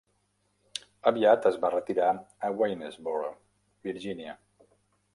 Aviat es va retirar a Waynesboro, Virgínia.